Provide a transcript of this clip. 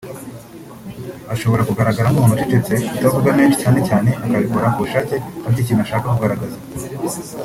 Ashobora kugaragara nk’umuntu ucecetse utavuga menshi cyane cyane akabikora ku bushake afite ikintu ashaka kugaragaza